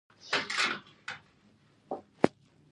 هېڅکله یوه ډېره اوږده موده ده